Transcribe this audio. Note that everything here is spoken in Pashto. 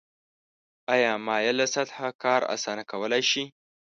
آیا مایله سطحه کار اسانه کولی شي؟